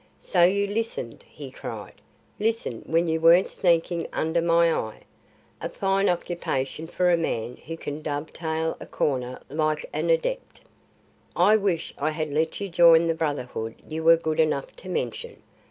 "So you listened," he cried; "listened when you weren't sneaking under my eye! A fine occupation for a man who can dove tail a corner like an adept. I wish I had let you join the brotherhood you were good enough to mention.